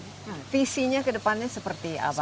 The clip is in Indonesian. nah visinya ke depannya seperti apa